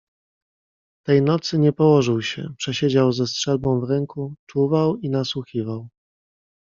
"Tej nocy nie położył się, przesiedział ze strzelbą w ręku, czuwał i nasłuchiwał."